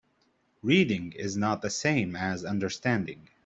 Reading is not the same as understanding.